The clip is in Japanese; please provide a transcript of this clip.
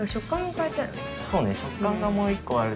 そうね。